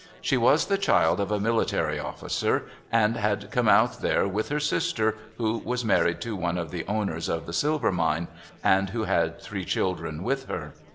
She was the child of a military officer, and had come out there with her sister, who was married to one of the owners of the silver mine, and who had three children with her.